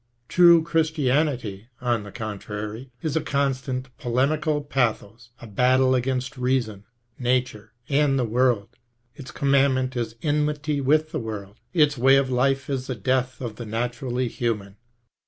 True Christianity, on the contrary, is a constant polemical pathos, a battle against reason, nature, and the world ; its commandment is enmity with the world, its way to life is the death of the naturally human.